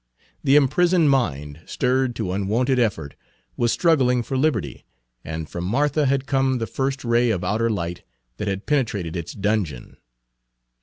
The imprisoned mind, stirred to unwonted effort, was struggling for liberty; and from Martha had come the first ray of outer light that had penetrated its dungeon.